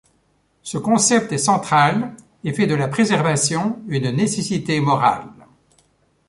Ce concept est central et fait de la préservation une nécessité morale.